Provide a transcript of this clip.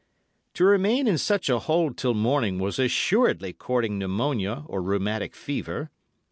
"To remain in such a hole till morning was assuredly courting pneumonia or rheumatic fever.